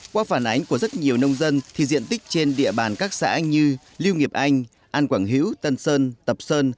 qua phản ánh của rất nhiều nông dân thì diện tích trên địa bàn các xã như lưu nghiệp anh an quảng hữu tân sơn tập sơn